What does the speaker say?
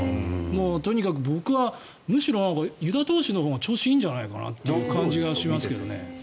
とにかく僕はむしろ湯田投手のほうが調子いいんじゃないかなという気がしますけどね。